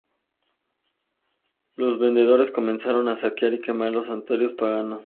Los vencedores comenzaron a saquear y quemar los santuarios paganos.